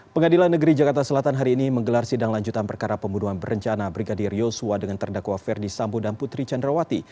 pengadilan negeri jakarta selatan hari ini menggelar sidang lanjutan perkara pembunuhan berencana brigadir yosua dengan terdakwa ferdi sambo dan putri candrawati